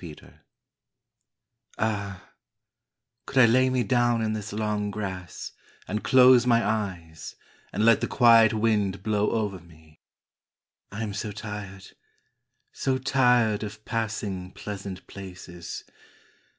JOURNEY Ah, could I lay me down in this long grass And close my eyes, and let the quiet wind Blow over me I am so tired, so tired Of passing pleasant places!